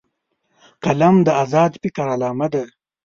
قلم د آزاد فکر علامه ده